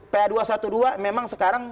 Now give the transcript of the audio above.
pa dua ratus dua belas memang sekarang